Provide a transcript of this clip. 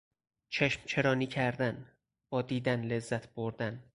چشم چرانی کردن، با دیدن لذت بردن